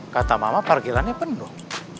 kata mama parkirannya penuh